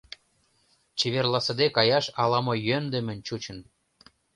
Чеверласыде каяш ала-мо йӧндымын чучын.